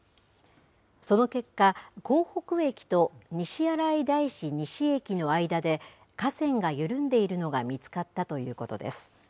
その結果、江北駅と西新井大師西駅の間で架線が緩んでいるのが見つかったということです。